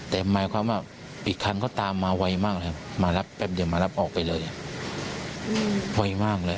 แต่หมายความว่าอีกคันเขาตามมาไวมากเลยมารับแป๊บเดียวมารับออกไปเลยไวมากเลย